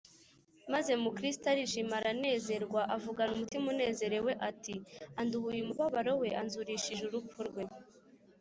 Maze Mukristo arishima, aranezerwa, avugana umutima unezerewe, ati: Anduhuye umubabaro we Anzurishije urupfu rwe